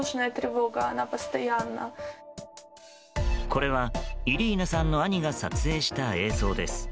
これはイリーナさんの兄が撮影した映像です。